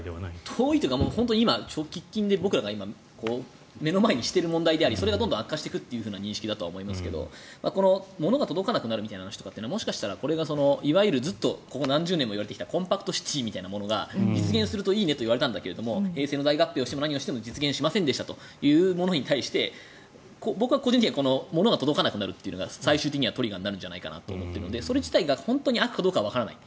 遠いというか喫緊で僕らが目の前にしている問題でありそれがどんどん悪化していくという認識だと思いますが物が届かなくなる話というのはこれがずっとここ何十年も言われ続けてきたコンパクトシティーみたいなものが実現するといいねと言われていたんだけど平成の大合併をしても何をしても実現しませんでしたというものに対して僕は個人的には物が届かなくなるというのが最終的にはトリガーになると思っているのでそれ自体が悪かどうかはわからない。